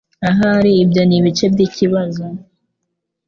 Ahari ibyo nibice byikibazo